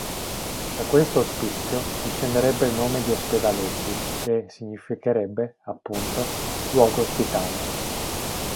Da questo ospizio discenderebbe il nome di Ospedaletti che significherebbe, appunto, "luogo ospitale".